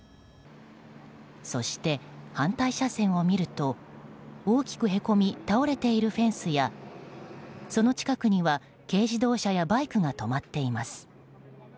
そして反対車線を見ると大きくへこみ倒れているフェンスやその近くには軽自動車やバイクが止まっています。